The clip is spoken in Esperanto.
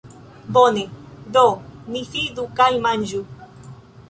Bone, do ni sidu kaj manĝu